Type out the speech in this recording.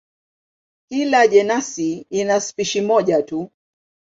Kila jenasi ina spishi moja tu.